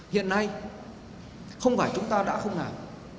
hiện nay không phải chúng ta đã không làm